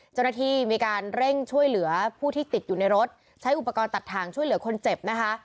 เจ้าหน้าที่มีการเร่งช่วยเหลือผู้ที่ติดอยู่ในรถใช้อุปกรณ์ตัดทางช่วยเหลือคนเจ็บนะคะ